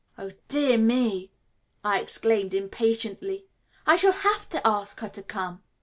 "Oh, dear me," I exclaimed impatiently, "I shall have to ask her to come!"